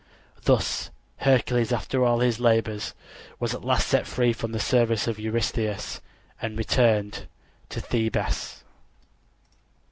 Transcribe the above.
Thus Hercules after all his labors was at last set free from the service of Eurystheus, and returned to Thebes.